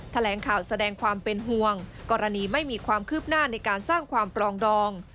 แถลงข่าวแสดงความเป็นห่วงกรณีไม่มีความคืบหน้าในการสร้างความปรองดอง